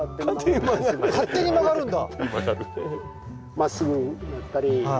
勝手に曲がるんだ。